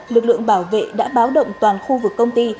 lực lượng bảo vệ đã báo động toàn khu vực công ty